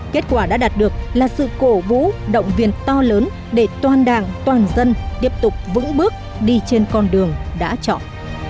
kết quả đã đạt được là sự cổ vũ động viên to lớn để toàn đảng toàn dân tiếp tục vững bước đi trên con đường đã chọn